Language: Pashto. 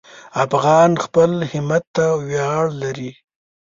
افغان خپل همت ته ویاړ لري.